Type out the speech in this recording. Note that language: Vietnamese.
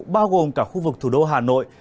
bao gồm cả khu vực thủ đô hà nội